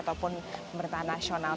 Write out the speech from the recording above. ataupun pemerintahan nasional